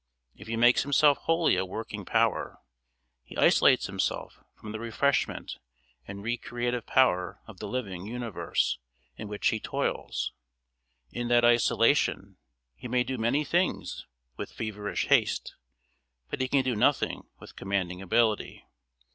If he makes himself wholly a working power, he isolates himself from the refreshment and re creative power of the living universe in which he toils; in that isolation he may do many things with feverish haste, but he can do nothing with commanding ability.